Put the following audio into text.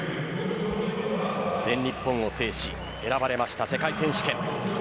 全日本を制し選ばれました世界選手権。